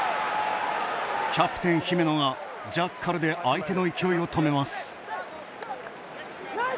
キャプテン姫野がジャッカルで相手の勢いを止めます。